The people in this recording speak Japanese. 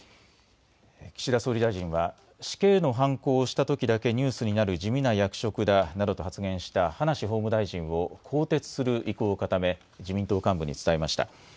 岸田総理大臣は死刑のはんこを押したときだけニュースになる地味な役職だなどと発言した葉梨法務大臣を更迭する意向を固め、自民党幹部に伝えました。